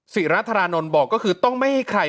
ศิราธารานนท์บอกก็คือต้องไม่ให้ใคร